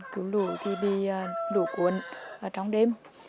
cứu lũ bị lũ cuốn trong đêm